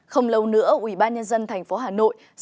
không lâu nữa ủy ban nhân dân thành phố hà nội sẽ tạo ra một kế hoạch